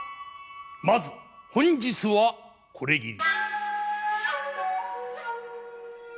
まず本日はこれぎり。